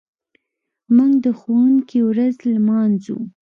موږ د ښوونکي ورځ لمانځو.